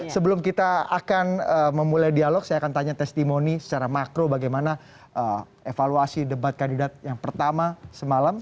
sebelum kita akan memulai dialog saya akan tanya testimoni secara makro bagaimana evaluasi debat kandidat yang pertama semalam